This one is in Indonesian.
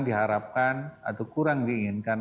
diharapkan atau kurang diinginkan